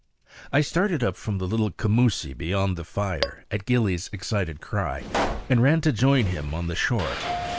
I started up from the little commoosie beyond the fire, at Gillie's excited cry, and ran to join him on the shore.